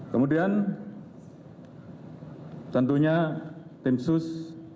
kemudian tentunya tim sus